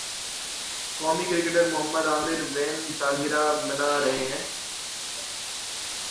قومی کرکٹر محمد عامر ویں سالگرہ منا رہے ہیں